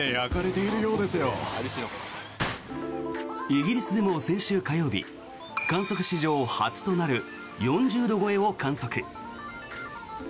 イギリスでも先週火曜日観測史上初となる４０度超えを観測。